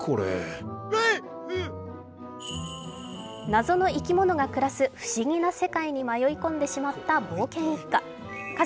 謎の生き物が暮らす、不思議な世界に迷い混んでしまった冒険一家。